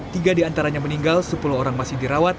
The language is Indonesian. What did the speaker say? tiga diantaranya meninggal sepuluh orang masih dirawat